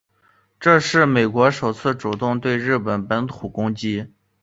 这是美国首次主动对日本本土攻击。